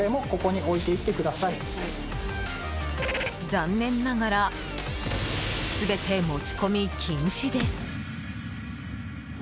残念ながら全て持ち込み禁止です。